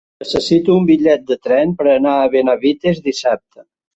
Necessito un bitllet de tren per anar a Benavites dissabte.